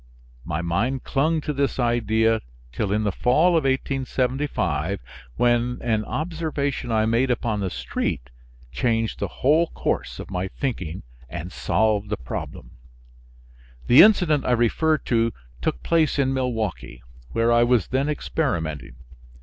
My mind clung to this idea till in the fall of 1875, when an observation I made upon the street changed the whole course of my thinking and solved the problem. The incident I refer to took place in Milwaukee, where I was then experimenting.